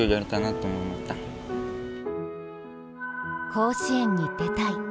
甲子園に出たい。